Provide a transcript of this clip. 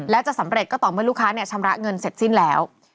และจะสำเร็จก็ต่อเมื่อลูกค้าชำระเงินเสร็จสิ้นแล้ว